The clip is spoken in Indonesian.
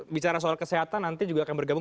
bicara soal kesehatan nanti juga akan bergabung